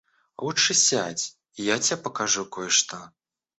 Лучше сядь, и я тебе покажу кое-что.